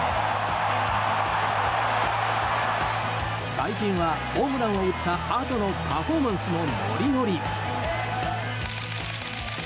最近はホームランを打ったあとのパフォーマンスもノリノリ。